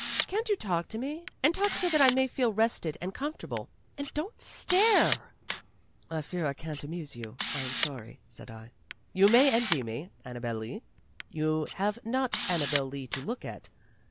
Can't you talk to me and talk so that I may feel rested and comfortable? And don't stare!" "I fear I can't amuse you. I am sorry," said I. "You may envy me, Annabel Lee. You have not Annabel Lee to look at.